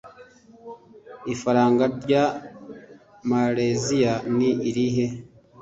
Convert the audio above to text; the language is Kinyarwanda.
Ifaranga rya Maleziya ni irihe?